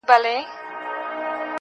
چي هغه زه له خياله وباسمه_